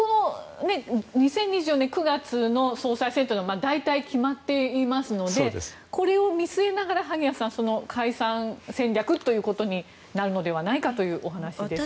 ２０２４年９月の総裁選は大体決まっていますのでこれを見据えながら萩谷さん解散戦略ということになるのではないかというお話ですよね。